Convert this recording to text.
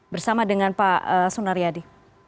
bersama dengan pak sonaryadi